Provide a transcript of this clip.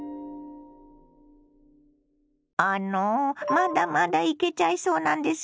あのまだまだいけちゃうそうなんですけど。